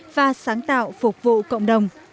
và sáng tạo phục vụ cộng đồng